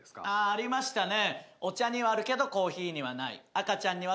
ありましたね